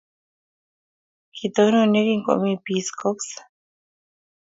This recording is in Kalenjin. Kitonon ye kingomi Peace Corps.